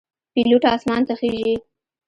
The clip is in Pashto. پیلوټ آسمان ته خیژي.